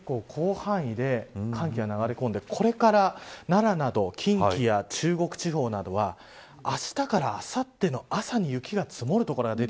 広範囲で寒気が流れ込んで、これから奈良など近畿や中国地方などはあしたから、あさっての朝に雪が積もる所